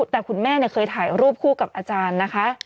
แต่คุณแม่เคยถ่ายรูปคู่กับอาจารย์นะคะ